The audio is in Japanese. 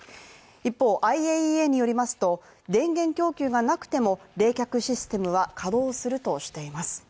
一方、ＩＡＥＡによりますと、電源供給がなくても冷却システムは稼動するとしています。